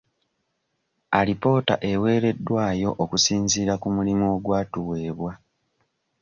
Alipoota eweereddwayo okusinziira ku mulimu ogwatuweebwa.